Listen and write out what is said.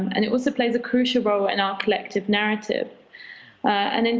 dan juga memiliki peran penting dalam naratif kita secara kolektif dan dalam hal